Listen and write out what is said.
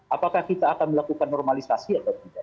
apakah kita akan melakukan normalisasi atau tidak